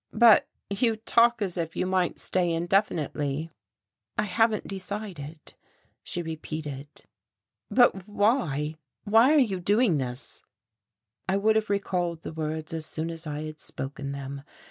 "But you talk as if you might stay indefinitely." "I haven't decided," she repeated. "But why why are you doing this?" I would have recalled the words as soon as I had spoken them.